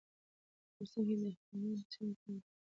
افغانستان کې د هلمند سیند په اړه زده کړه کېږي.